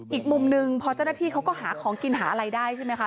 อีกมุมหนึ่งพอเจ้าหน้าที่เขาก็หาของกินหาอะไรได้ใช่ไหมคะ